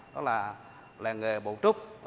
đó là làng nghề bảo trúc